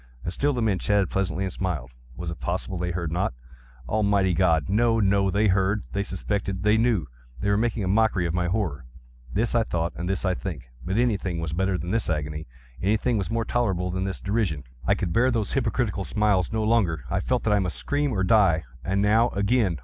And still the men chatted pleasantly, and smiled. Was it possible they heard not? Almighty God!—no, no! They heard!—they suspected!—they knew!—they were making a mockery of my horror!—this I thought, and this I think. But anything was better than this agony! Anything was more tolerable than this derision! I could bear those hypocritical smiles no longer! I felt that I must scream or die! and now—again!